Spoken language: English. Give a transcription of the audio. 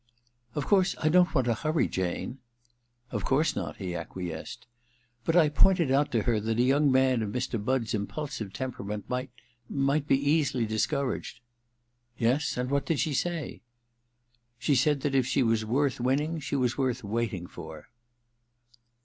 * Of course I don't want to hurry Jane '* Of course not,' he acquiesced. ' But I pointed out to her that a young man of Mr. Budd's impulsive temperament might — might be easily discouraged '* Yes ; and what did she say ?'^ She said that if she was worth winning she was worth waiting for.'